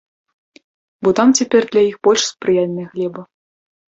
Бо там цяпер для іх больш спрыяльная глеба.